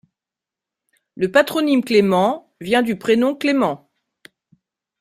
Le patronyme Clément vient du prénom Clément.